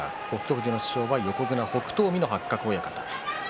富士の師匠は北勝海の八角親方です。